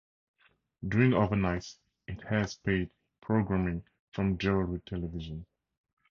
During overnights, it airs paid programming from Jewelry Television.